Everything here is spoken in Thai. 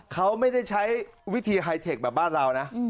เขาไม่ได้ใช้วิธีไฮเทคแบบบ้านเรานะ